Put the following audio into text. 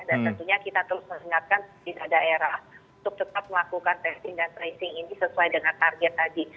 dan tentunya kita terus mengingatkan di daerah untuk tetap melakukan testing dan tracing ini sesuai dengan target tadi